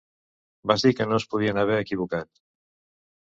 Vas dir que no es podien haver equivocat!